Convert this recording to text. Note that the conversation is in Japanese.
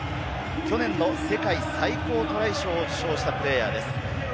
去年の世界最高トライ賞を受賞したプレーヤーです。